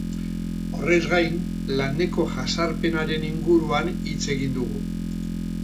Horrez gain, laneko jazarpenaren inguruan hitz egin dugu.